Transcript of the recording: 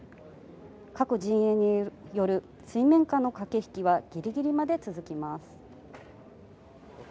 各陣営による水面下の駆け引きはギリギリまで続きます。